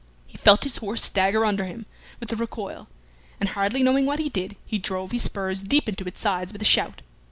He felt his horse stagger under him with the recoil, and hardly knowing what he did, he drove his spurs deep into its sides with a shout.